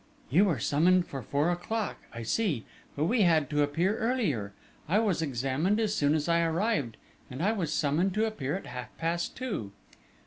"You were summoned for four o'clock, I see; but we had to appear earlier: I was examined as soon as I arrived, and I was summoned to appear at half past two."